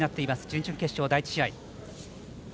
準々決勝、第１試合。